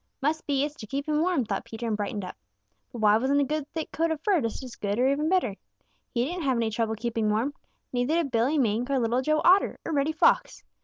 "Must be it's to keep him warm," thought Peter and brightened up. But why wasn't a good thick coat of fur just as good or even better? He didn't have any trouble keeping warm. Neither did Billy Mink or Little Joe Otter or Reddy Fox.